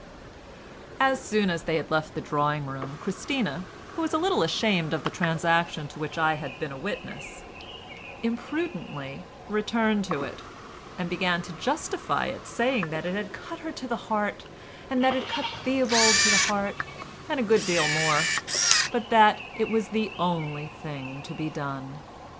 As soon as they had left the drawing room, Christina, who was a little ashamed of the transaction to which I had been a witness, imprudently returned to it, and began to justify it, saying that it cut her to the heart, and that it cut Theobald to the heart and a good deal more, but that "it was the only thing to be done."